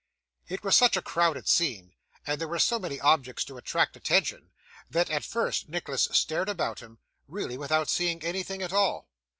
It was such a crowded scene, and there were so many objects to attract attention, that, at first, Nicholas stared about him, really without seeing anything at all.